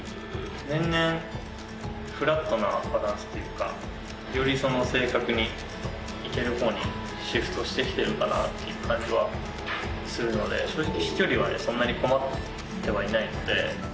年々フラットなバランスというか、より正確にいけるほうにシフトしてきてるかなっていう感じはするので、正直、飛距離はそんなに困ってはいないので。